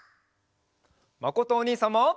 まことおにいさんも。